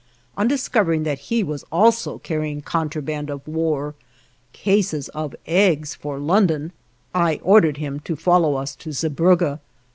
On discovering that he was also carrying contraband of war cases of eggs for London I ordered him to follow us to Zeebrugge.